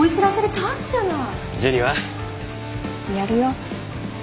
やるよ。